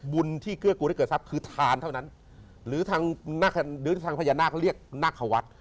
บุญที่เกื้อกูลให้เกิดทรัพย์คือทานเท่านั้นหรือทางหรือทางพญานาคเรียกนาควัฒน์